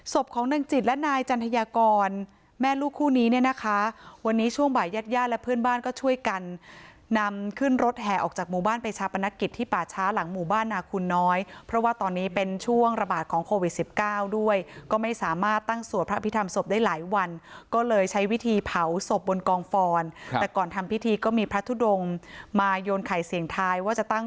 ศพของนางจิตและนายจันทยากรแม่ลูกคู่นี้เนี่ยนะคะวันนี้ช่วงบ่ายญาติญาติและเพื่อนบ้านก็ช่วยกันนำขึ้นรถแห่ออกจากหมู่บ้านไปชาปนกิจที่ป่าช้าหลังหมู่บ้านนาคุณน้อยเพราะว่าตอนนี้เป็นช่วงระบาดของโควิดสิบเก้าด้วยก็ไม่สามารถตั้งสวดพระพิธรรมศพได้หลายวันก็เลยใช้วิธีเผาศพบนกองฟอนแต่ก่อนทำพิธีก็มีพระทุดงมาโยนไข่เสียงทายว่าจะตั้ง